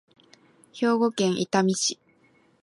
兵庫県伊丹市